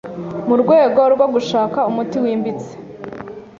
mu rwego rwo gushaka umuti wimbitse